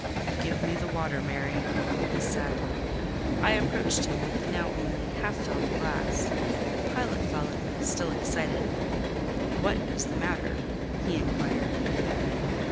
"Give me the water, Mary," he said. I approached him with the now only half filled glass; Pilot followed me, still excited. "What is the matter?" he inquired.